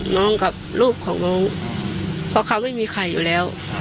กับลูกของน้องเพราะเขาไม่มีใครอยู่แล้ว